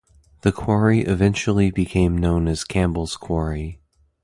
The quarry eventually became known as Campbell's Quarry.